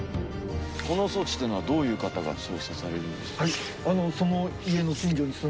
この装置というのはどういう方が操作されるんですか？